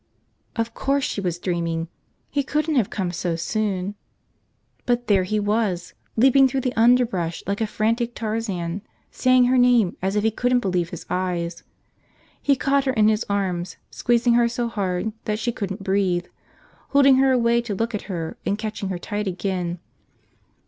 Of course she was dreaming! He couldn't have come so soon! But there he was, leaping through the underbrush like a frantic Tarzan, saying her name as if he couldn't believe his eyes. He caught her in his arms, squeezing her so hard she couldn't breathe, holding her away to look at her and catching her tight again.